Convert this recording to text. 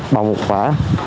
bằng một quả